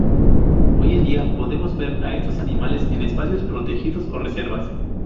Hoy en día podemos ver a estos animales en espacios protegidos o reservas.